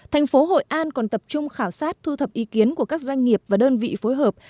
thành phố hội an còn tập trung khảo sát thu thập ý kiến của các doanh nghiệp và đơn vị phối hợp